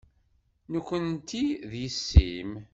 Nekkenti d yessi-m.